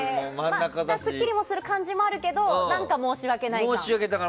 すっきりする感じもあるけど何か申し訳ない？